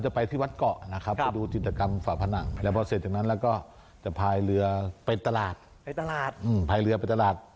จะไปที่วัดเกาะนะครับไปดูติดตะกรรมฝ่าผนังแล้วถึงนั้นจะผ่ายเรือเป็นตลาด